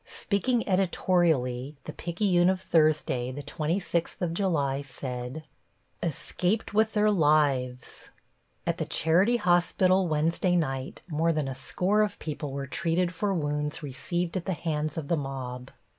Speaking editorially, the Picayune of Thursday, the twenty sixth of July, said: +ESCAPED WITH THEIR LIVES+ At the Charity Hospital Wednesday night more than a score of people were treated for wounds received at the hands of the mob.